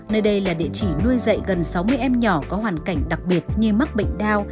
nơi đây là địa chỉ nuôi dạy gần sáu mươi em nhỏ có hoàn cảnh đặc biệt nhi mắc bệnh đau